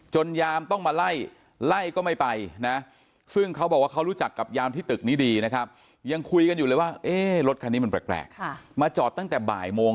จนยามต้องมาไล่ไล่ก็ไม่ไปนะซึ่งเขาบอกว่าเขารู้จักกับยามที่ตึกนี้ดีนะครับ